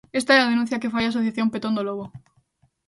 Esta é a denuncia que fai a asociación Petón do Lobo.